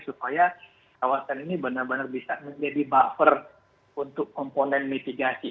supaya kawasan ini benar benar bisa menjadi buffer untuk komponen mitigasi